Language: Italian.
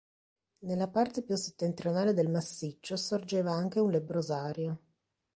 Nella parte più settentrionale del massiccio sorgeva anche un lebbrosario.